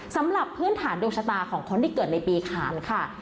สำหรับพื้นฐานดวงชะตาของคนที่เกิดในปีขานค่ะ